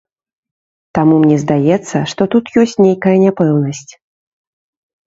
Таму мне здаецца, што тут ёсць нейкая няпэўнасць.